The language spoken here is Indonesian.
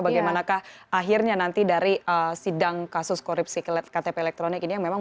bagaimanakah akhirnya nanti dari sidang kasus korupsi ktp elektronik ini yang memang